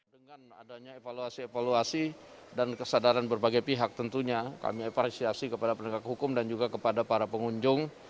dengan adanya evaluasi evaluasi dan kesadaran berbagai pihak tentunya kami apresiasi kepada penegak hukum dan juga kepada para pengunjung